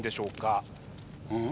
うん？